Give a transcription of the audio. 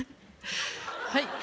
はい